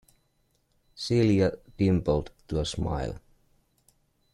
Celia dimpled to a smile.